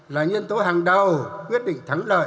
là nhân tố hàng đầu quyết định thắng lợi